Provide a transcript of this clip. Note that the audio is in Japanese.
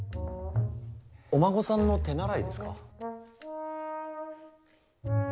お孫さんの手習いですか？